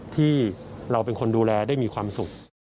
ที่เราเป็นคนดูแลได้มีความสุข